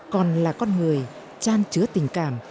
còn là con người tràn trứa tình cảm